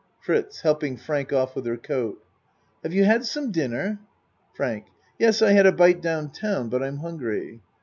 FRITZ (Helping Frank off with her coat.) Have you had some dinner? FRANK Yes, I had a bite down town, but I'm hungry.